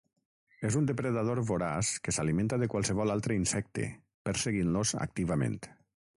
És un depredador voraç que s'alimenta de qualsevol altre insecte, perseguint-los activament.